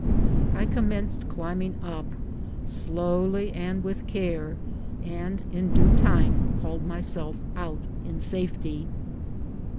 I commenced climbing up, slowly and with care, and in due time hauled myself out in safety.